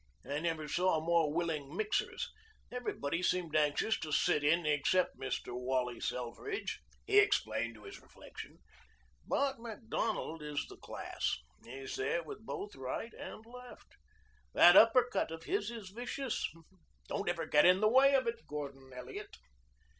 I never saw more willing mixers. Everybody seemed anxious to sit in except Mr. Wally Selfridge," he explained to his reflection. "But Macdonald is the class. He's there with both right and left. That uppercut of his is vicious. Don't ever get in the way of it, Gordon Elliot."